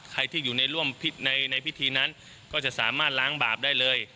ใครที่อยู่ในร่วมในพิธีนั้นก็จะสามารถล้างบาปได้เลย